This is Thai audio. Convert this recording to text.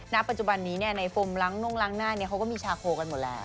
ณปัจจุบันนี้เนี่ยในฟอร์มล้างนุ่งล้างหน้าเนี่ยเขาก็มีชาโคกันหมดแล้ว